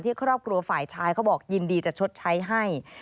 ครอบครัวฝ่ายชายเขาบอกยินดีจะชดใช้ให้